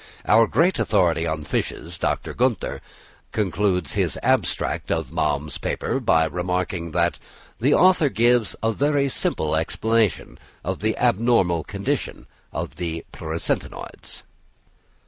Our great authority on Fishes, Dr. Günther, concludes his abstract of Malm's paper, by remarking that "the author gives a very simple explanation of the abnormal condition of the Pleuronectoids."